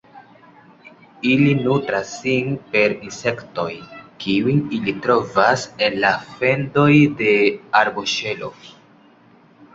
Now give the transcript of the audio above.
Ili nutras sin per insektoj, kiujn ili trovas en la fendoj de arboŝelo.